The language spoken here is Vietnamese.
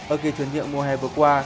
ở kỳ chuyển nhượng mùa hè vừa qua